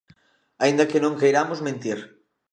Aínda que non queiramos mentir.